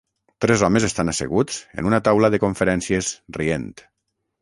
Tres homes estan asseguts en una taula de conferències rient.